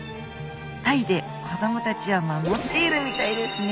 愛で子供たちを守っているみたいですね！